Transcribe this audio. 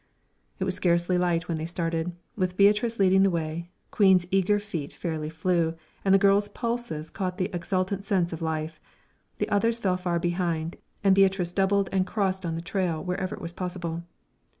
It was scarcely light when they started, with Beatrice leading the way. Queen's eager feet fairly flew, and the girl's pulses caught the exultant sense of life. The others fell far behind, and Beatrice doubled and crossed on the trail wherever it was possible.